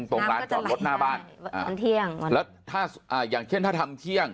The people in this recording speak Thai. ตรงร้านจอดรถหน้าบ้านตอนเที่ยงวันแล้วถ้าอ่าอย่างเช่นถ้าทำเที่ยง